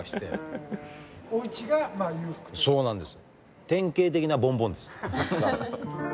そうなんです。